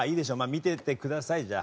見ててくださいじゃあ。